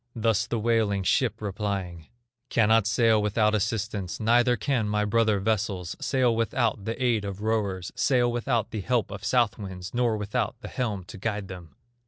Thus the wailing ship replying: "Cannot sail without assistance, Neither can my brother vessels Sail without the aid of rowers, Sail without the help of south winds, Nor without the helm to guide them."